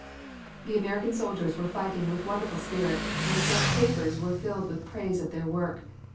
The American soldiers were fighting with wonderful spirit, and the French papers were filled with praise of their work.